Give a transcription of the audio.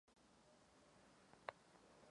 Křižáci ho okamžitě oblehli.